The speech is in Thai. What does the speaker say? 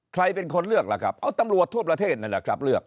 ใครเป็นคนเลือกล่ะครับเอาตำรวจทั่วประเทศนั่นแหละครับเลือก